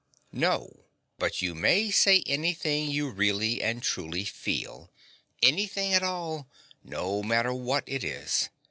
No. But you may say anything you really and truly feel. Anything at all, no matter what it is.